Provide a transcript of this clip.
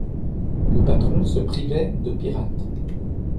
Le patron se privait de pirates.